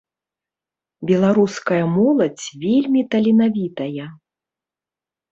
Беларуская моладзь вельмі таленавітая.